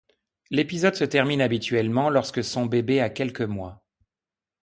L'épisode se termine habituellement lorsque son bébé a quelques mois.